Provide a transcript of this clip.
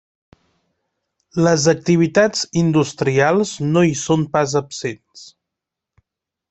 Les activitats industrials no hi són pas absents.